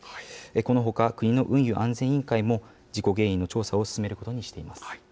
このほか、国の運輸安全委員会も、事故原因の調査を進めることにしています。